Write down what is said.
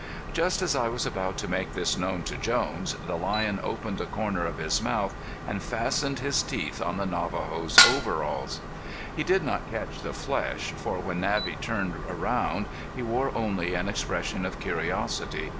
Just as I was about to make this known to Jones, the lion opened a corner of his mouth and fastened his teeth in the Navajo's overalls. He did not catch the flesh, for when Navvy turned around he wore only an expression of curiosity.